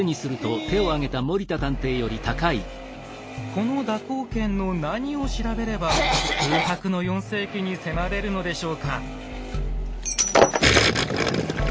この蛇行剣の何を調べれば空白の４世紀に迫れるのでしょうか？